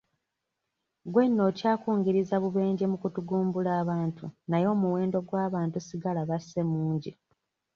Gwe nno okyakungiriza bubenje mu kutugumbula abantu naye omuwendo gw'abantu ssigala basse mungi.